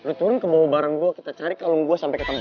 lo turun ke mau barang gue kita cari kalung gue sampai ketemu